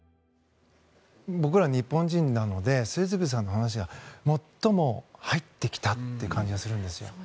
僕ら日本人なので末續さんの話が最も入ってきたという感じがするんですよ。